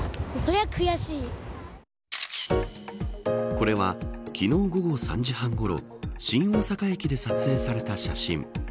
これは、昨日午後３時半ごろ新大阪駅で撮影された写真。